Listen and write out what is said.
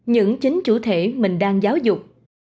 những chính chủ thể mình đang giáo dục